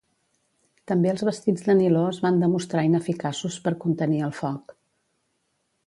També els vestits de niló es van demostrar ineficaços per contenir el foc.